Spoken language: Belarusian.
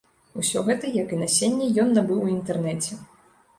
Усё гэта, як і насенне ён набыў у інтэрнэце.